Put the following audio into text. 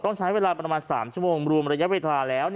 ต้องใช้เวลาประมาณสามชั่วโมงรวมระยะเวทราแล้ว